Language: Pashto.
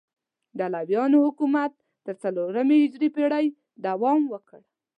د علویانو حکومت تر څلورمې هجري پیړۍ دوام وکړ.